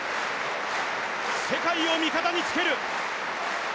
世界を味方につける。